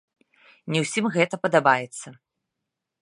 Не ўсім гэта падабаецца.